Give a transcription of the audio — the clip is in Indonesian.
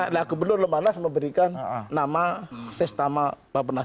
nah gubernur lemanas memberikan nama sestama bapenas